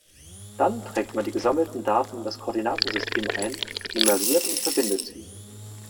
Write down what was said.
Dann trägt man die gesammelten Daten in das Koordinatensystem ein, nummeriert und verbindet sie.